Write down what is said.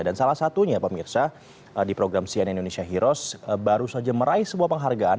dan salah satunya pemirsa di program cnn indonesia heroes baru saja meraih sebuah penghargaan